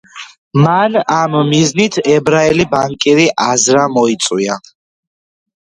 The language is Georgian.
მან ამ მიზნით ებრაელი ბანკირი აზრა მოიწვია.